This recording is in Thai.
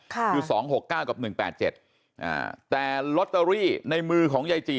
ค่ะอยู่สองหกเก้ากับหนึ่งแปดเจ็ดอ่าแต่ลอตเตอรี่ในมือของไยจี